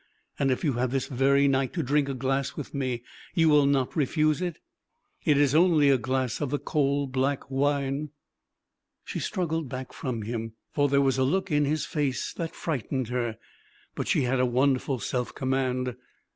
And if you have this very night to drink a glass with me, you will not refuse it? It is only a glass of the coal black wine!" She struggled back from him, for there was a look in his face that frightened her. But she had a wonderful self command.